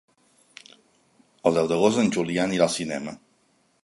El deu d'agost en Julià anirà al cinema.